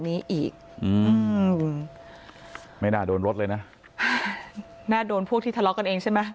นี้อีกอืมไม่น่าโดนรถเลยนะน่าโดนพวกที่ทะเลาะกันเองใช่ไหม